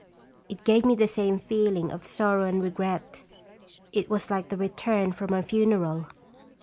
It gave me the same feeling of sorrow and regret. It was like the return from a funeral.